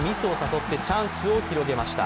相手のミスを誘ってチャンスを広げました。